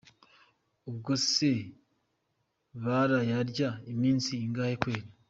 Ubwo se barayarya iminsi ingahe kweri.